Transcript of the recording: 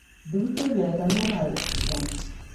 Di bi tooi biɛla ka noo maa yiɣisi zani.